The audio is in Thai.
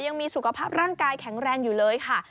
ยังมีสุขภาพร่างกายแข็งแรงอยู่เลยค่ะ